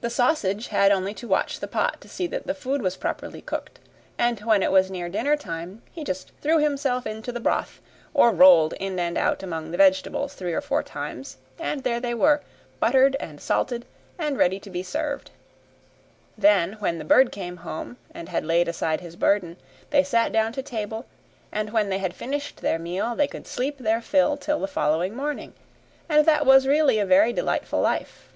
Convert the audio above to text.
The sausage had only to watch the pot to see that the food was properly cooked, and when it was near dinner time, he just threw himself into the broth, or rolled in and out among the vegetables three or four times, and there they were, buttered, and salted, and ready to be served. Then, when the bird came home and had laid aside his burden, they sat down to table, and when they had finished their meal, they could sleep their fill till the following morning: and that was really a very delightful life.